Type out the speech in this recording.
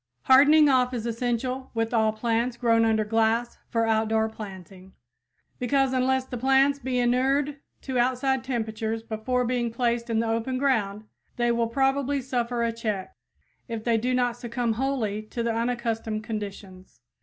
Hardening off is essential with all plants grown under glass for outdoor planting, because unless the plants be inured to outside temperatures before being placed in the open ground, they will probably suffer a check, if they do not succumb wholly to the unaccustomed conditions.